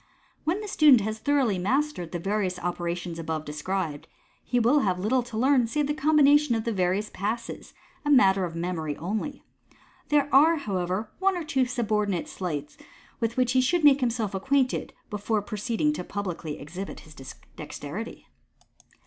When the student has thoroughly mastered the various operations above described, he will have little to learn save the combination of the various Passes, a matter of memory only. There are, however, one or two subordinate sleights with which he should make himself acquainted before proceeding publicly to exhibit his dexterity.